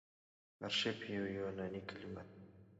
آرشیف يوه یوناني کليمه ده.